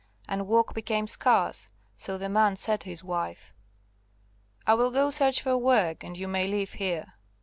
And work became scarce, so the man said to his wife, "I will go search for work, and you may live here."